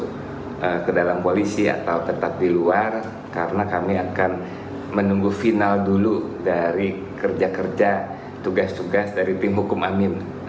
untuk ke dalam koalisi atau tetap di luar karena kami akan menunggu final dulu dari kerja kerja tugas tugas dari tim hukum amin